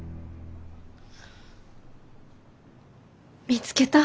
見つけた。